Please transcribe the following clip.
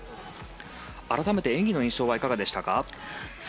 改めて演技の印象はいかがでしたか。